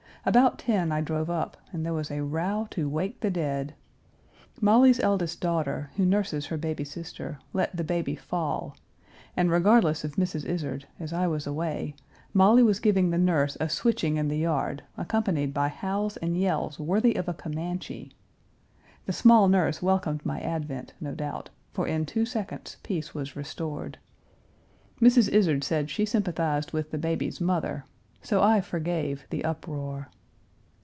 About ten I drove up and there was a row to wake the dead. Molly's eldest daughter, who nurses her baby sister, let the baby fall, and, regardless of Mrs. Izard, as I was away, Molly was giving the nurse a switching in the yard, accompanied by howls and yells worthy of a Comanche! The small nurse welcomed my advent, no doubt, for in two seconds peace was restored. Mrs. Izard said she sympathized with the baby's mother; so I forgave the uproar.